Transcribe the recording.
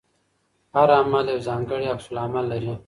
هر عمل یو ځانګړی عکس العمل لري.